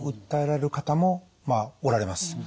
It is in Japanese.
訴えられる方もおられます。